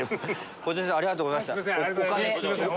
校長先生ありがとうございました。